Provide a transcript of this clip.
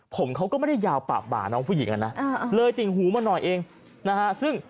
ผมเขาก็ไม่ได้ยาวป่าป่าน้องผู้หญิงนะเลยติ่งหูมาหน่อยเอง